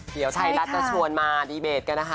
เดี๋ยวไทยรัฐจะชวนมาดีเบตกันนะคะ